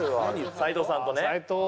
斉藤さんとね。